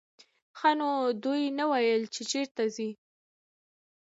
ښه نو ودې نه ویل چې چېرته ځې.